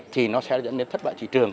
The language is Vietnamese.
thì nó sẽ dẫn đến thất bại thị trường